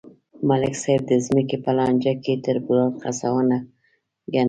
ملک صاحب د ځمکې په لانجه کې تربوران خس ونه ګڼل.